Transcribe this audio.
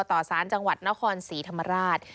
ต่อสารจังหวัดนครศรีธรรมราช